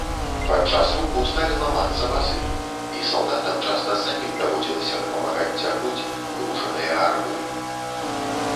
Падчас руху сталі ламацца вазы, і салдатам часта самім даводзілася дапамагаць цягнуць гружаныя арбы.